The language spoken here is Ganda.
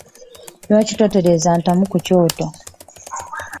Lwaki totereeza ntamu Ku kyooto?